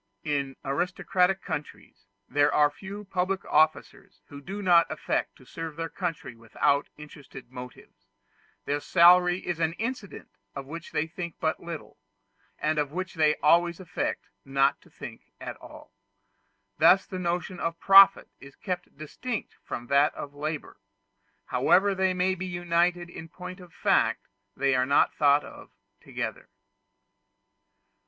In aristocratic countries there are few public officers who do not affect to serve their country without interested motives. Their salary is an incident of which they think but little, and of which they always affect not to think at all. Thus the notion of profit is kept distinct from that of labor; however they may be united in point of fact, they are not thought of together.